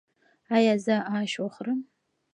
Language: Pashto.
ایا زه اش وخورم؟